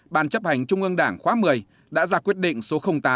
ban chấp hành trung ương đảng khóa một mươi đã ra quyết định số tám